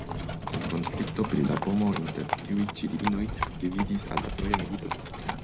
Konflikto pri la pomo inter tiuj ĉi diinoj gvidis al la Troja milito.